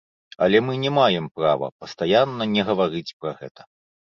Але мы не маем права пастаянна не гаварыць пра гэта.